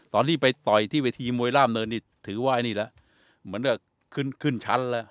ตอนนี้ไปต่อยที่เวทีมวยร่ามเนินถือว่าอันนี้แหละเหมือนกับขึ้นชั้นแล้ว